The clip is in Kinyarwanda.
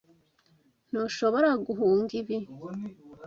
Ntushobora guhunga ibi.